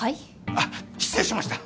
あっ失礼しました。